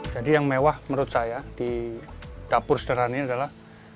jadi yang mewah menurut saya di dapur sederhani adalah